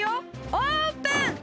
オープン！